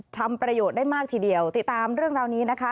ทำประโยชน์ได้มากทีเดียวติดตามเรื่องราวนี้นะคะ